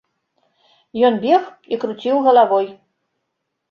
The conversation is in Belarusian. Ён бег і круціў галавой.